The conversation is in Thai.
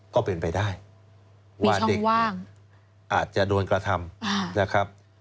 ก็เป็นไปได้ว่าเด็กอาจจะโดนกระทำนะครับ